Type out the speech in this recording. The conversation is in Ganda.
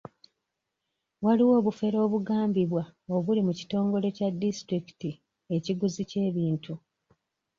Waliwo obufere obugambibwa obuli mu kitongole kya disitulikiti ekiguzi ky'ebintu.